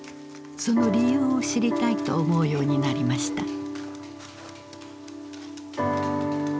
その理由を知りたいと思うようになりました。